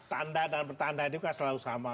tanda dan pertanda itu kan selalu sama